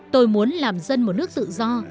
tôi muốn làm dân một nước tự do